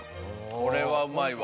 これはうまいわ。